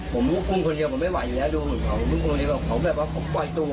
ผมลุกกุ้งคนเดียวผมไม่ไหวอยู่แล้วดูเขาลุกกุ้งคนเดียวเขาแบบว่ากล่อยตัว